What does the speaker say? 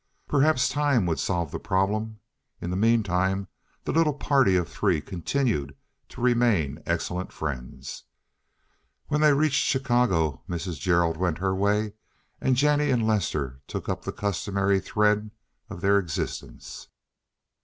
Perhaps time would solve the problem; in the mean time the little party of three continued to remain excellent friends. When they reached Chicago Mrs. Gerald went her way, and Jennie and Lester took up the customary thread of their existence.